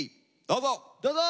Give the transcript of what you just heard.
どうぞ！